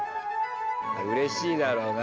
うれしいだろうな。